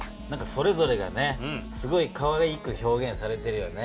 それぞれがすごいかわいく表現されてるよね。